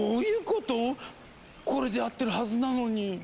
これで合ってるはずなのに。